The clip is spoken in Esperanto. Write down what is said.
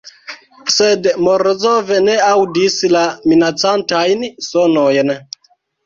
Sed Morozov ne aŭdis la minacantajn sonojn.